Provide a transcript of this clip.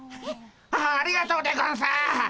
ありがとうでゴンス。